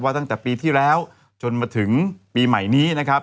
ตั้งแต่ปีที่แล้วจนมาถึงปีใหม่นี้นะครับ